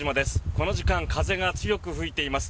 この時間風が強く吹いています。